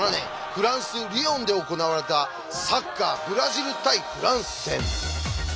フランス・リヨンで行われたサッカーブラジル対フランス戦。